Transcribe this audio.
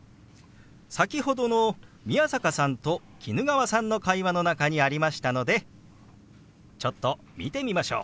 先ほどの宮坂さんと衣川さんの会話の中にありましたのでちょっと見てみましょう。